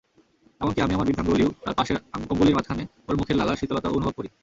এমনকি আমি আমার বৃদ্ধাঙ্গুলিও তার পাশের অঙ্গুলির মাঝখানে ওর মুখের লালার শীতলতা অনুভব করি।